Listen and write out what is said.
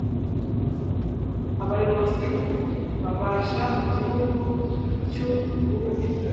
abayobozi babasha mu gihugu cy'u burundi